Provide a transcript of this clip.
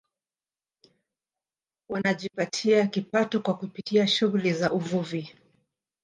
Wanajipatia kipato kwa kupitia shughuli za uvuvi